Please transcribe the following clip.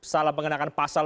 salah mengenakan pasal